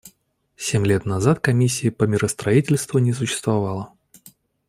Семь лет назад Комиссии по миростроительству не существовало.